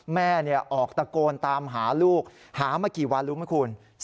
แม่ออกตะโกนตามหาลูกหามากี่วันรู้ไหมคุณ